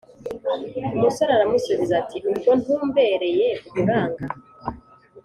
umusore aramusubiza ati: “ubwo ntumbereye umuranga?”